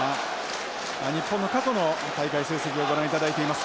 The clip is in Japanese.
日本の過去の大会成績をご覧いただいています。